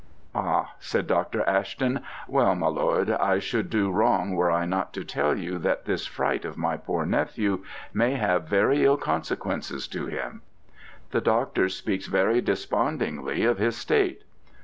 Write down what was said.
"Ah!" said Dr. Ashton, "well, my lord, I should do wrong were I not to tell you that this fright of my poor nephew may have very ill consequences to him. The doctor speaks very despondingly of his state."